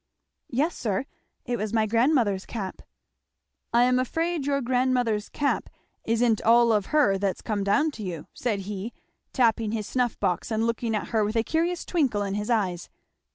"Yes sir; it was my grandmother's cap." "I am afraid your grandmother's cap isn't all of her that's come down to you," said he, tapping his snuff box and looking at her with a curious twinkle in his eyes.